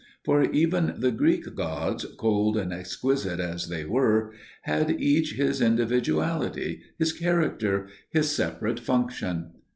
For even the Greek gods, cold and exquisite as they were, had each his individuality, his character, his separate function.